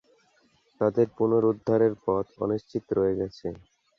তাদের পুনরুদ্ধারের পথ অনিশ্চিত রয়ে গেছে।